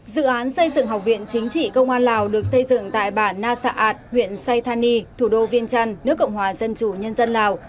dự án xây dựng học viện chính trị công an lào được xây dựng tại bản na sat huyện saythani thủ đô viên trăn nước cộng hòa dân chủ nhân dân lào